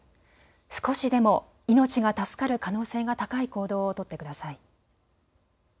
少しでも命が助かる可能性が高い行動を取ってください。